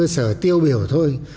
sở tiêu biểu thôi